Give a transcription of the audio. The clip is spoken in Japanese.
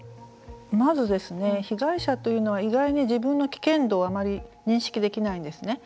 まず、被害者というのは意外に自分の危険度をあまり認識できないんですね。